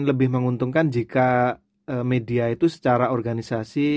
lebih menguntungkan jika media itu secara organisasi